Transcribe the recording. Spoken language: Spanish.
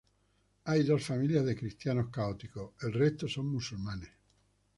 Hay dos familias de cristianos católicos; el resto son musulmanes.